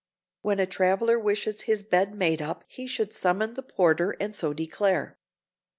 When a traveler wishes his bed made up he should summon the porter and so declare.